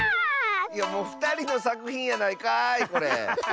おふたりのさくひんやないかいこれ。